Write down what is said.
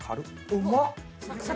うまっ。